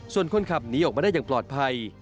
ส่วนคนขับหนีออกมาได้อย่างปลอดภัย